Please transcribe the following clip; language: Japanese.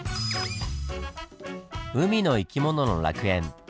海の生き物の楽園。